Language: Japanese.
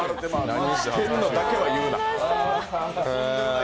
何してんのだけは言うな。